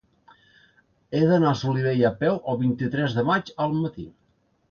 He d'anar a Solivella a peu el vint-i-tres de maig al matí.